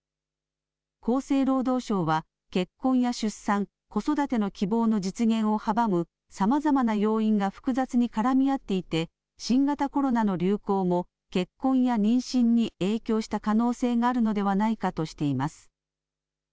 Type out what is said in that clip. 厚生労働省は、結婚や出産、子育ての希望の実現を阻むさまざまな要因が複雑に絡み合っていて、新型コロナの流行も、結婚や妊娠に影響した可能性があるのではないかとしています。